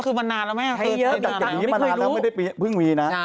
ใช้เยอะมานานแล้วไม่เคยรู้ใช่ใช่ไม่เคยรู้พี่ก็เสียจัดเก็บนี้มานานแล้วไม่ได้พึ่งมีนะ